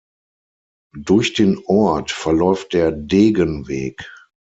Durch den Ort verläuft der Degen-Weg.